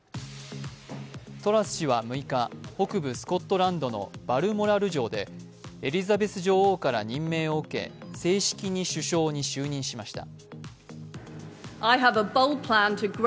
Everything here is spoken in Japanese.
トラス氏は６日、北部スコットランドのバルモラル城でエリザベス女王から任命を受け正式に首相に就任しました。